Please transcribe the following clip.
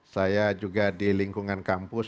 saya juga di lingkungan kampus